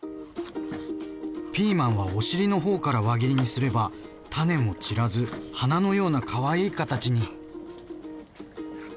ピーマンはお尻の方から輪切りにすれば種も散らず花のようなかわいい形に。